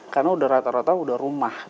karena udah rata rata udah rumah